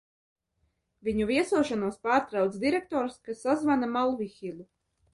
Viņu viesošanos pārtrauc direktors, kas sazvana Malvihilu.